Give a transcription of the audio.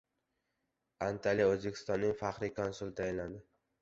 Antaliyada O‘zbekistonning faxriy konsuli tayinlandi